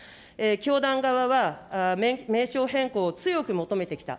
教団側は、名称変更を求めてきた。